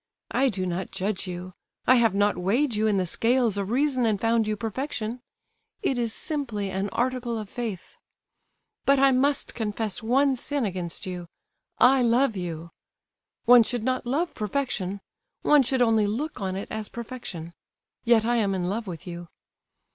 I do not judge you; I have not weighed you in the scales of Reason and found you Perfection—it is simply an article of faith. But I must confess one sin against you—I love you. One should not love perfection. One should only look on it as perfection—yet I am in love with you.